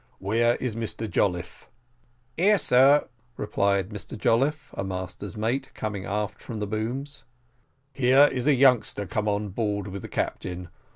Where is Mr Jolliffe?" "Here, sir," replied Mr Jolliffe, a master's mate, coming aft from the booms. "There is a youngster come on board with the captain.